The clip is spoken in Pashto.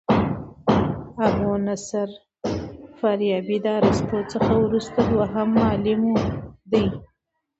ابو نصر فارابي د ارسطو څخه وروسته دوهم معلم دئ.